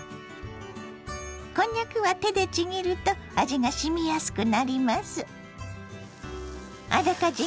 こんにゃくは手でちぎると味が染みやすくなります。